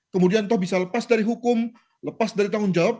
kemudian toh bisa lepas dari hukum lepas dari tanggung jawab